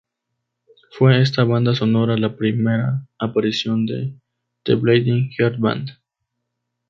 Fue esta banda sonora la primera aparición de "The Bleeding Heart Band".